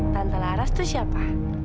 tante laras itu siapa